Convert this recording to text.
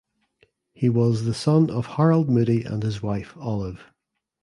He was the son of Harold Moody and his wife Olive.